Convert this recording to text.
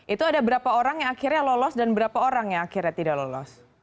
itu ada berapa orang yang akhirnya lolos dan berapa orang yang akhirnya tidak lolos